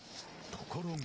ところが。